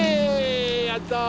やった！